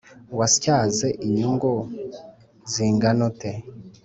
wasyaze inyumu zinganute